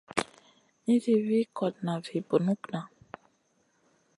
Nizi wi kotna vi bunukŋa.